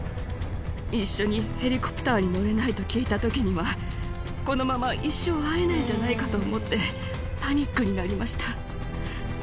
一緒にヘリコプターに乗れないと聞いたときには、このまま一生会えないんじゃないかと思って、パニックになりました。